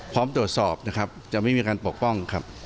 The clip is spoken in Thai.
พร้อมตรวจสอบนะครับจะไม่มีการปกป้องครับ